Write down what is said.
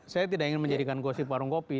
saya tidak ingin menjadikan gosip warung kopi